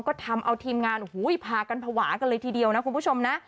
ก็ทำเอาทีมงานพากันภาวะกันเลยทีเดียวนะคุณผู้ชมนะ